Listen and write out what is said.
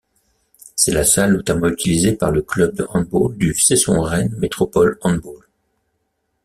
C'est la salle notamment utilisée par le club de handball du Cesson-Rennes Métropole Handball.